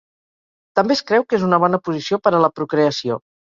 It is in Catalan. També es creu que és una bona posició per a la procreació.